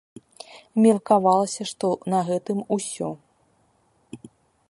Меркавалася, што на гэтым усё.